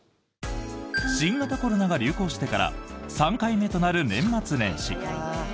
新型コロナが流行してから３回目となる年末年始。